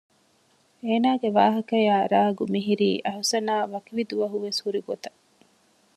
އޭނާގެ ވާހަކަޔާއި ރާގު މިހިރީ އަހުސަނާ ވަކިވި ދުވަހު ވެސް ހުރި ގޮތަށް